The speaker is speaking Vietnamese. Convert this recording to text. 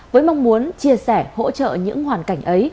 với mong muốn chia sẻ hỗ trợ những hoàn cảnh ấy